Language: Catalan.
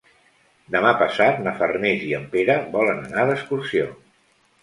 Demà passat na Farners i en Pere volen anar d'excursió.